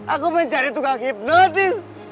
aku mencari tukang hipnotis